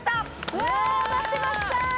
うわ待ってました。